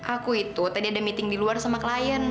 aku itu tadi ada meeting di luar sama klien